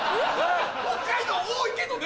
北海道多いけどね